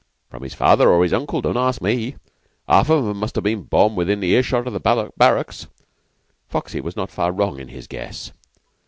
"From his father or his uncle. Don't ask me! Half of 'em must have been born within earshot o' the barracks." (Foxy was not far wrong in his guess.)